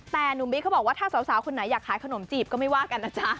แต่หนุ่มบิ๊กเขาบอกว่าถ้าสาวคนไหนอยากขายขนมจีบก็ไม่ว่ากันนะจ๊ะ